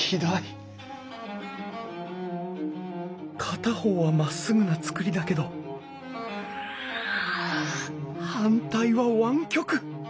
片方はまっすぐな造りだけど反対は湾曲。